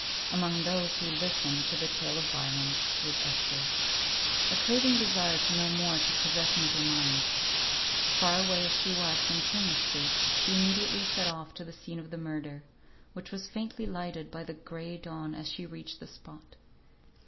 Among those who listened to the tale of violence was Esther. A craving desire to know more took possession of her mind. Far away as she was from Turner Street, she immediately set off to the scene of the murder, which was faintly lighted by the gray dawn as she reached the spot.